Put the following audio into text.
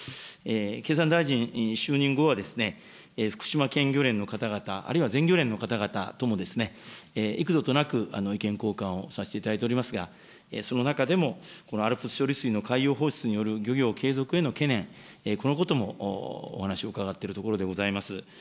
経産大臣就任後は、福島県漁連の方々、あるいは全漁連の方々とも、幾度となく意見交換をさせていただいておりますが、その中でも、このＡＬＰＳ処理水の海洋放出による漁業継続への懸念、このこともお話を伺っているところでございます。